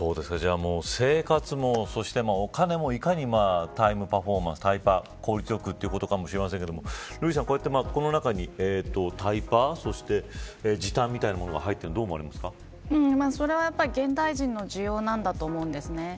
生活もお金もいかにタイムパフォーマンス、タイパ効率よくということかもしれませんがこの中に、タイパ時短みたいなものが入ってるのはそれは現代人の需要だと思うんですね。